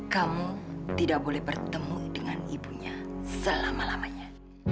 kamu tidak boleh bertemu dengan ibunya selama lamanya